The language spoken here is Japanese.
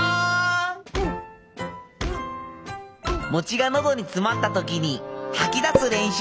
餅が喉に詰まった時に吐き出す練習。